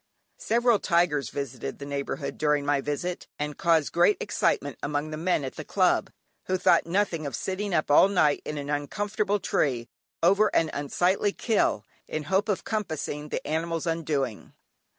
Several tigers visited the neighbourhood during my visit, and caused great excitement among the men at the Club, who thought nothing of sitting up all night in an uncomfortable tree, over an unsightly "kill," in hope of compassing the animal's undoing.